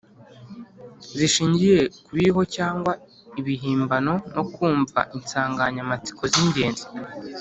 zishingiye ku biriho cyangwa ibihimbano, no kumva insanganyamatsiko z’ingenzi,